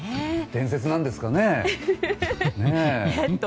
伝説なんですかね。